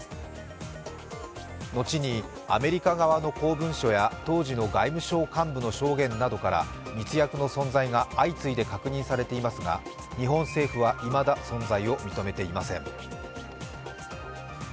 のちにアメリカ側の公文書や当時の外務省幹部の証言などから密約の存在が相次いで確認されていますが日本政府はいまだ存在を認めていません。